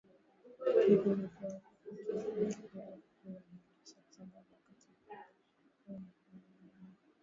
hivyo hukua vikiwa kwenye kupe huyo na kisha kusambazwa wakati kupe huyo anapomnyonnya damu